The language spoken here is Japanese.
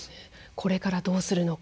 これからどうするのか。